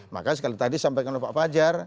maka sekali tadi sampaikan oleh pak fajar